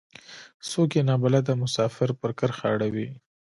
څوک يې نا بلده مسافر پر کرښه اړوي.